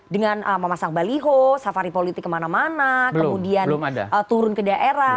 dengan memasang baliho safari politik kemana mana kemudian turun ke daerah